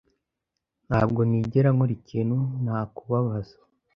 Ntabwo nigera nkora ikintu nakubabaza